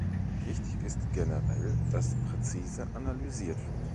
Wichtig ist generell, dass präzise analysiert wird.